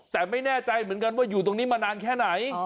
แต่ไม่แน่ใจเหมือนกันว่าอยู่ตรงนี้มานานแค่ไหน